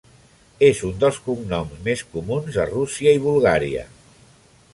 És un dels cognoms més comuns a Rússia i Bulgària.